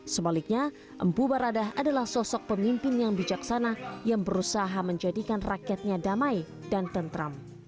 sebaliknya empu barada adalah sosok pemimpin yang bijaksana yang berusaha menjadikan rakyatnya damai dan tentram